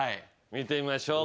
見てみましょう。